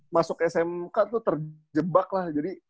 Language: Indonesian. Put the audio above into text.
masuk smk tuh terjebak lah jadi